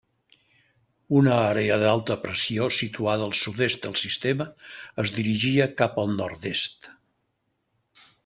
Una àrea d'alta pressió situada al sud-est del sistema es dirigia cap al nord-est.